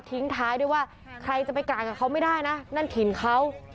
ท้ายด้วยว่าใครจะไปกลางกับเขาไม่ได้นะนั่นถิ่นเขา